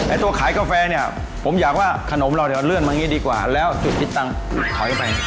ไอ้ตัวขายกาแฟเนี่ยผมอยากว่าขนมเราเเลือดมันอย่างนี้ดีกว่าแล้วจุดปิดตั้งฐาวอย่างมายังไงก็นี่